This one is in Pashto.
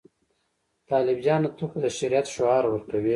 طالب جانه ته خو د شریعت شعار ورکوې.